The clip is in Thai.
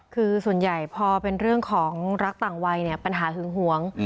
คือส่วนใหญ่พอเป็นเรื่องของรักต่างวัยเนี่ยปัญหาหึงหวง